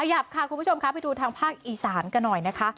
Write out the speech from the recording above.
ขยับค่ะคุณผู้ชมค่ะไปดูทางภาคอีสานกันหน่อยนะคะ